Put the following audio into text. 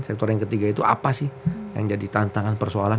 sektor yang ketiga itu apa sih yang jadi tantangan persoalan